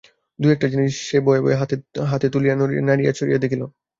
-দু-একটা জিনিস সে ভয়ে ভয়ে হাতে তুলিয়া নাড়িয়া চড়িয়া দেখিল।